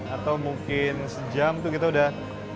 atau mungkin sejam kita sudah berhenti